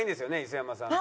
磯山さんと。